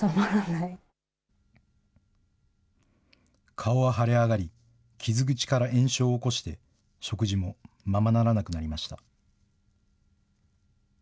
顔は腫れ上がり、傷口から炎症を起こして、食事もままならなくなりました。